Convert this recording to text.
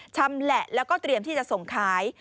ชำแหละแล้วก็เตรียมที่จะส่งขาย